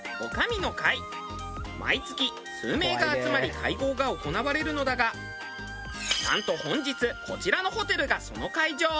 毎月数名が集まり会合が行われるのだがなんと本日こちらのホテルがその会場。